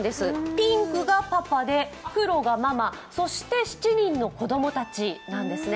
ピンクがパパで黒がママ、そして７人の子供たちなんですね。